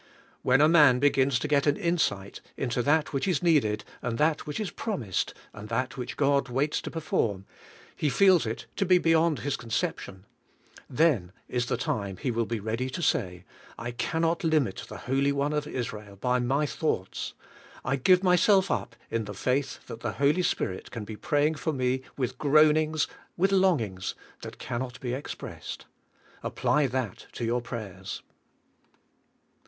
When a man begins to get an insight into that which is needed and that which is promised and that which God waits to perform, he feels it to be beyend his conception; then is the time he will be reac^y to say, "I can not limit the holy one of Israel by my thoughts; I give myself up in the faith th?it the Holy Spirit can be praying for me Vt^ith groanings, with longings, that can not be expressed." Apply that to your prayers.